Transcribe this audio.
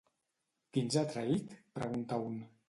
Qui ens ha traït?, pregunta un.